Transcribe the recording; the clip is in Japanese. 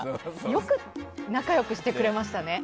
よく仲良くしてくれましたね。